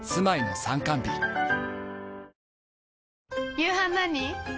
夕飯何？